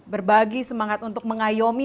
berbagi semangat untuk mengayomi